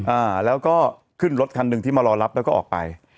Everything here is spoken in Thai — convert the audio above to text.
อ่าแล้วก็ขึ้นรถคันหนึ่งที่มารอรับแล้วก็ออกไป